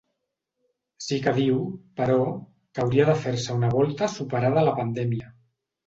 Sí que diu, però, que hauria de fer-se una volta superada la pandèmia.